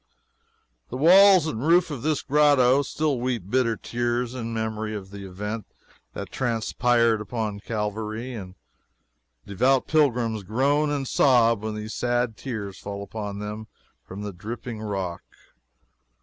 The walls and roof of this grotto still weep bitter tears in memory of the event that transpired on Calvary, and devout pilgrims groan and sob when these sad tears fall upon them from the dripping rock.